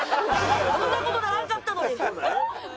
こんな事ならんかったのに。